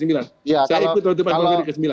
saya ikut untuk di komisi sembilan